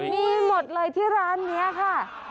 มีหมดเลยที่ร้านนี้ค่ะ